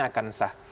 itu juga masih sah